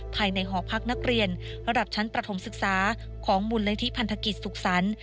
ภายในหอพักนักเรียนระดับชั้นประถมศึกษาของมูลนิธิพันธกิจสุขสรรค์